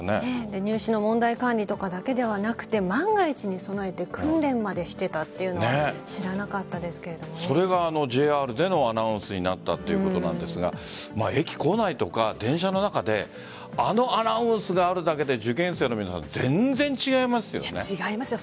入試の問題管理とかだけではなくて万が一に備えて訓練までしていたというのはそれがＪＲでのアナウンスになったということなんですが駅構内とか電車の中であのアナウンスがあるだけで受験生の皆さん全然違いますよね。